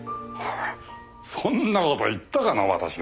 そんな事言ったかな私が。